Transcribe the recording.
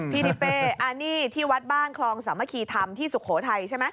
พี่ทิเป้อันนี้ที่วัดบ้านคลองสามัคคีธรรมที่สุโขทัยใช่ไหม